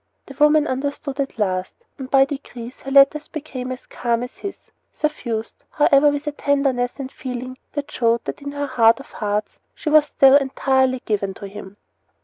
The woman understood at last; and by degrees her letters became as calm as his suffused, however, with a tenderness and feeling which showed that in her heart of hearts she was still entirely given to him.